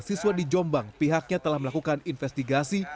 siswa di jombang pihaknya telah melakukan investigasi